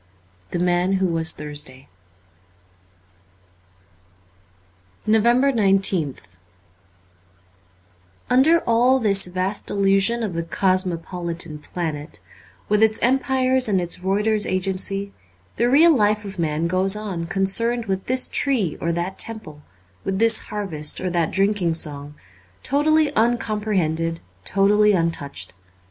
' Jhe Man who was Thursday.' 358 NOVEMBER 19th UNDER all this vast illusion of the cosmo politan planet, with its empires and its Renter's Agency, the real life of man goes on concerned with this tree or that temple, with this harvest or that drinking song, totally un comprehended, totally untouched.